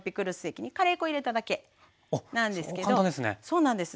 そうなんです。